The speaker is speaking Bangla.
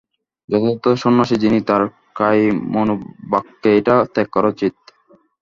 যথার্থ সন্ন্যাসী যিনি, তাঁর কায়মনোবাক্যে এটা ত্যাগ করা উচিত।